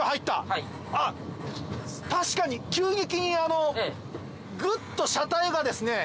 ・はい・確かに急激にグッと車体がですね